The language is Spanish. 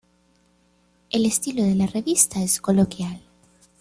El estilo de la revista es coloquial.